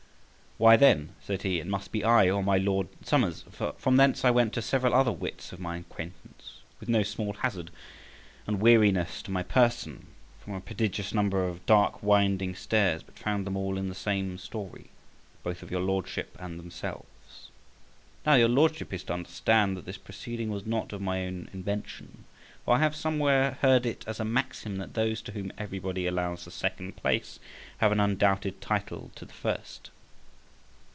Why then, said he, it must be I, or my Lord Somers. From thence I went to several other wits of my acquaintance, with no small hazard and weariness to my person, from a prodigious number of dark winding stairs; but found them all in the same story, both of your Lordship and themselves. Now your Lordship is to understand that this proceeding was not of my own invention; for I have somewhere heard it is a maxim that those to whom everybody allows the second place have an undoubted title to the first.